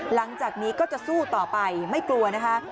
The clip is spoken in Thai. หลังจากนี้ก็จะสู้ต่อไปไม่กลัวนะคะ